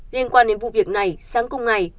liên quan đến vụ việc này sáng cùng ngày